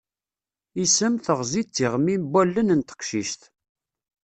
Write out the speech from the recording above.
Isem, teɣzi d tiɣmi n wallen n teqcict.